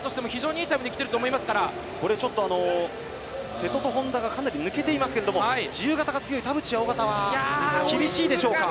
瀬戸と本多がかなり抜けていますけれども自由形が強い田渕や小方は厳しいでしょうか。